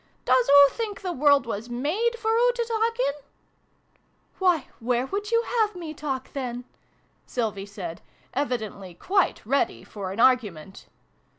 " Doos oo think the world was made for oo to talk in ?"" Why, where would you have me talk, then ?" Sylvie said, evidently quite ready for an argument.